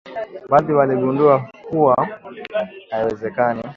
baadhi waligundua kuwa haiwezekani